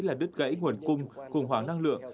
là đứt gãy nguồn cung khủng hoảng năng lượng